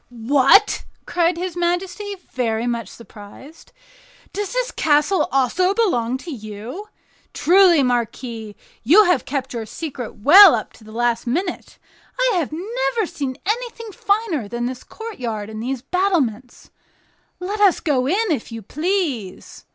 "What!" cried his majesty, very much surprised, "does the castle also belong to you? Truly, marquis, you have kept your secret well up to the last minute. I have never seen anything finer than this courtyard and these battlements. Let us go in, if you please."